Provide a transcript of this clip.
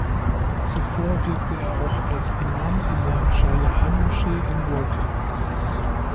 Zuvor wirkte er auch als Imam in der Shah-Jahan-Moschee in Woking.